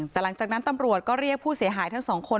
แต่หลังจากนั้นตำรวจก็เรียกผู้เสียหายทั้งสองคน